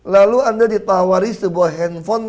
lalu anda ditawari sebuah handphone